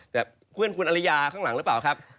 เห็นเล้อยอยู่บริษัทธาตัวนั้นแหละครับ